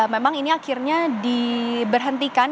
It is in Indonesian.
memang ini akhirnya diberhentikan